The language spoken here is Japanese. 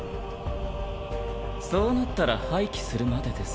そうなったら廃棄するまでです。